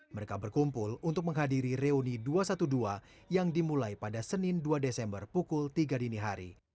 mereka berkumpul untuk menghadiri reuni dua ratus dua belas yang dimulai pada senin dua desember pukul tiga dini hari